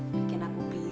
bikin aku beli